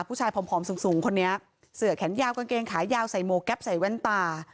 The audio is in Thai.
ผู้ชายผอมสูงคนนี้เสือแขนยาวกางเกงขายาวใส่หมวกแก๊ปใส่แว่นตา